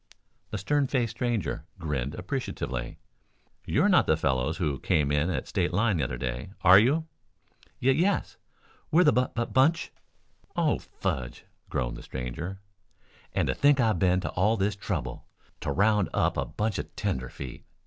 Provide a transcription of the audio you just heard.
The stern faced stranger grinned appreciatively. "You are not the fellows who came in at State Line the other day, are you?" "Ye yes, we're the bu bu bunch." "Oh, fudge!" groaned the stranger. "And to think I've been to all this trouble to round up a bunch of tenderfeet."